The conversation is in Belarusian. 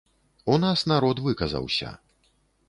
У нас народ выказаўся.